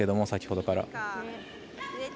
先ほどから。